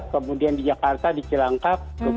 kemudian di jakarta di cilangkap